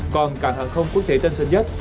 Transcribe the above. còn cảng hàng không quốc tế tân sơn nhất